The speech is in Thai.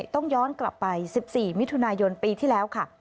ต้องย้อนกลับไป๑๔มิถุนายนปีที่แล้วค่ะ